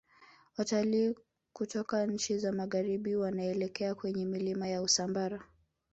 Watilii kutoka nchi za magharibi wanaelekea kwenye milima ya usambara